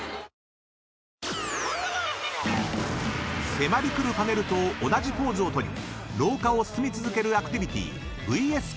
［迫り来るパネルと同じポーズを取り廊下を進み続けるアクティビティ］